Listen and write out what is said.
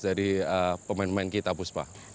jadi pemain pemain kita hapus pak